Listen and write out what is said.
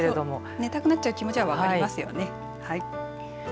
眠たくなる気持ちは分かりますよね。